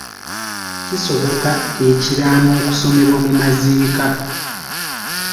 Kisoboka ekiraamo okusomebwa mu maziika.